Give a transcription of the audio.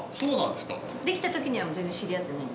できたときには全然知り合ってない。